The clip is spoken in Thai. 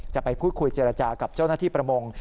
จะไปพูดคุยเจรจากับเจ้าหน้าที่ประมง